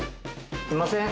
すいません。